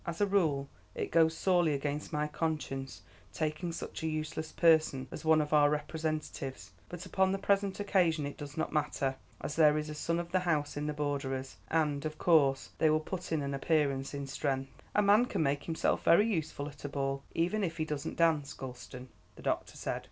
As a rule it goes sorely against my conscience taking such a useless person as one of our representatives; but upon the present occasion it does not matter, as there is a son of the house in the Borderers; and, of course, they will put in an appearance in strength." "A man can make himself very useful at a ball, even if he doesn't dance, Gulston," the doctor said.